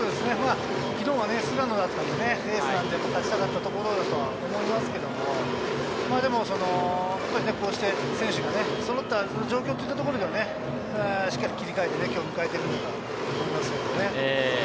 昨日は菅野だったので、エースだったので、勝ちたかったところだと思いますけれど、こうして選手がそろった状況というところでは、しっかり切り替えて今日を迎えてるんだなと思いますけどね。